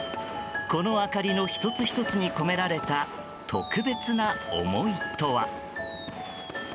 この明かりの１つ１つに込められた特別な思いとは。